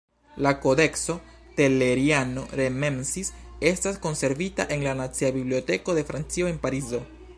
La Kodekso Telleriano-Remensis estas konservita en la Nacia Biblioteko de Francio en Parizo.